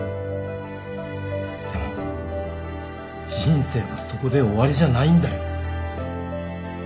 でも人生はそこで終わりじゃないんだよ。